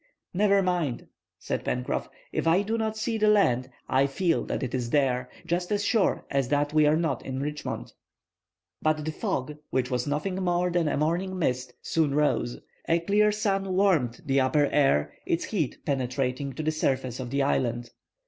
"Never mind," said Pencroff, "if I do not see the land. I feel that it is there,—just as sure as that we are not in Richmond." But the fog, which was nothing more than a morning mist, soon rose. A clear sun warmed the upper air, its heat penetrating to the surface of the island.